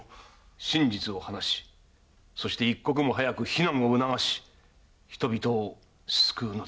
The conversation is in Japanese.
真実を話しそして一刻も早く避難を促し人々を救うのだ。